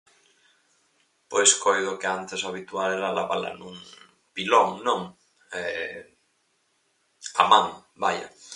Pois coido que antes o habitual era lavala nun pilón, non? A man, vaia.